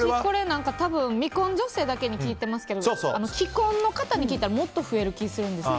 たぶん、未婚女性だけに聞いていますけど既婚の方に聞いたらもっと増える気するんです。